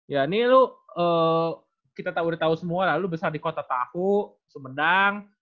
ya ini lu kita udah tahu semua lah lu besar di kota tahu semendang